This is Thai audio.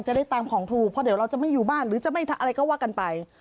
จะได้ตามของถูกเพราะเดี๋ยวเราจะไม่อยู่บ้านหรือจะไม่อะไรก็ว่ากันไป